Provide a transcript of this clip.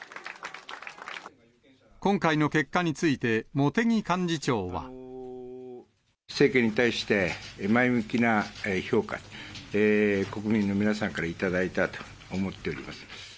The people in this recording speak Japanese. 今回の結果について、茂木幹事長は。政権に対して、前向きな評価、国民の皆さんから頂いたと思っております。